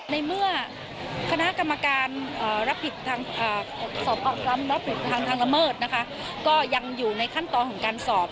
ในเมื่อคณะกรรมการรับผิดทางละเมิดนะคะก็ยังอยู่ในขั้นตอนของการสอบ